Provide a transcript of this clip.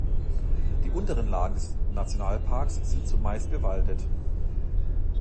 Die unteren Lagen des Nationalparks sind zumeist bewaldet.